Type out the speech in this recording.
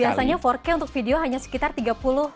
biasanya empat k untuk video hanya sekitar tiga puluh